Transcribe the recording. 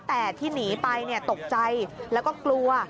แต่ที่หนีไปตกใจแล้วก็กลัว